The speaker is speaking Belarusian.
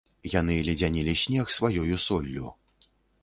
Яны ледзянілі снег сваёю соллю.